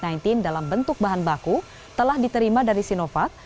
covid sembilan belas dalam bentuk bahan baku telah diterima dari sinovac